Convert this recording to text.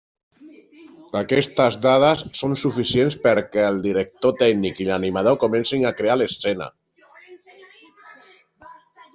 Aquestes dades són suficients perquè el director tècnic i l’animador comencin a crear l’escena.